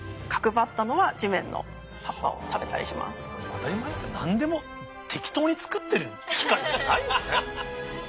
当たり前ですけど何でも適当に作ってる器官なんてないんですね。